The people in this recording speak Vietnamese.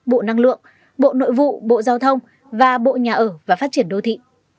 bộ năng lượng bộ nội vụ bộ giao thông và bộ nhà ở và phát triển đô thị